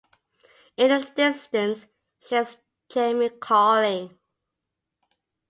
In the distance, she hears Jemmy calling.